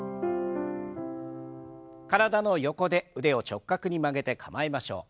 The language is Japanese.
体の横で腕を直角に曲げて構えましょう。